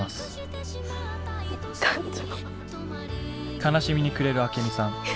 悲しみに暮れるアケミさん。